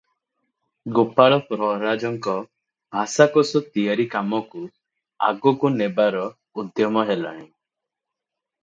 ଗୋପାଳ ପ୍ରହରାଜଙ୍କ ଭାଷାକୋଷ ତିଆରି କାମକୁ ଆଗକୁ ନେବାର ଉଦ୍ୟମ ହେଲାଣି ।